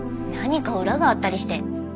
何か裏があったりして。